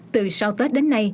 từ sau tết đến nay